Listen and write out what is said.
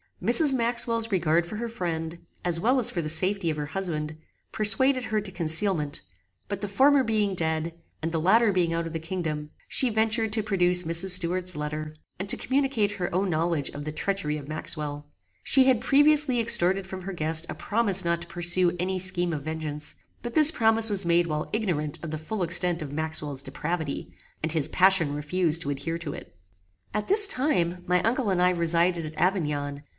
Mrs. Maxwell's regard for her friend, as well as for the safety of her husband, persuaded her to concealment; but the former being dead, and the latter being out of the kingdom, she ventured to produce Mrs. Stuart's letter, and to communicate her own knowledge of the treachery of Maxwell. She had previously extorted from her guest a promise not to pursue any scheme of vengeance; but this promise was made while ignorant of the full extent of Maxwell's depravity, and his passion refused to adhere to it. At this time my uncle and I resided at Avignon.